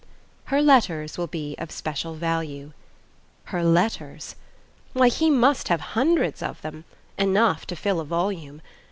"Her letters will be of special value " Her letters! Why, he must have hundreds of them enough to fill a volume.